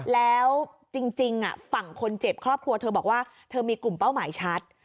แล้วจริงฝั่งคนเจ็บครอบครัวเธอบอกว่าเธอมีกลุ่มเป้าหมายชัด